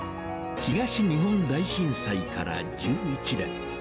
東日本大震災から１１年。